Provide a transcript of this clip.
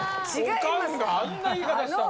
オカンがあんな言い方したら。